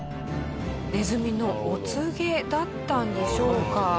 ネズミのお告げだったんでしょうか？